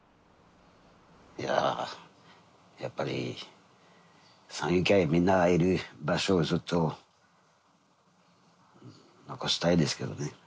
いややっぱり山友会みんながいる場所をずっと残したいですけどね。